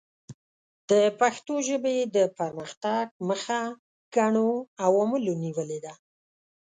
د پښتو ژبې د پرمختګ مخه ګڼو عواملو نیولې ده.